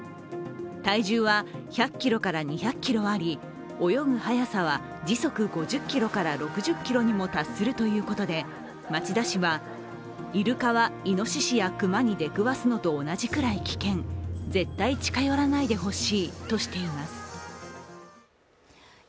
体重は１００ｋｇから２００ｋｇあり、泳ぐ速さは時速５０キロから６０キロにも達するということで町田氏は、イルカはいのししや熊に出くわすのと同じくらい危険、絶対近寄らないでほしいとしています。